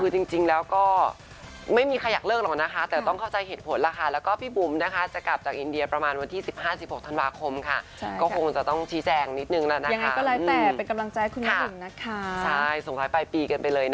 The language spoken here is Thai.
ตกลงเราจะใช้ชีวิตกันยังไง